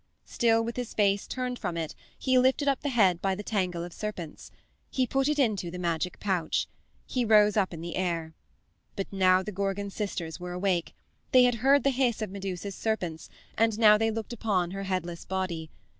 Still with his face turned from it he lifted up the head by its tangle of serpents. He put it into the magic pouch. He rose up in the air. But now the Gorgon sisters were awake. They had heard the hiss of Medusa's serpents, and now they looked upon her headless body.